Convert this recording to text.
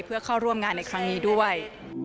เพื่อเข้าร่วมงานในครั้งนี้ด้วย